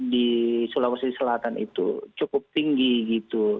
di sulawesi selatan itu cukup tinggi gitu